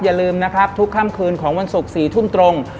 อย่าลืมนะครับทุกค่ำคืนของวันศุกร์๔ทุ่มตรง